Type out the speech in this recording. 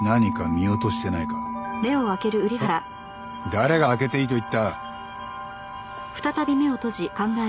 誰が開けていいと言った。